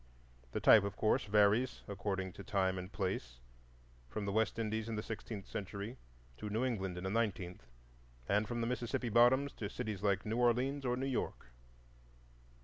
The type, of course, varies according to time and place, from the West Indies in the sixteenth century to New England in the nineteenth, and from the Mississippi bottoms to cities like New Orleans or New York.